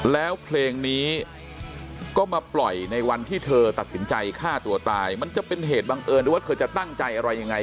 แล้วเพลงนี้ก็มาปล่อยในวันที่เธอตัดสินใจฆ่าตัวตายมันจะเป็นเหตุบังเอิญหรือว่าเธอจะตั้งใจอะไรยังไง